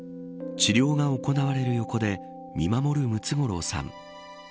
治療が行われる横で見守るムツゴロウさん。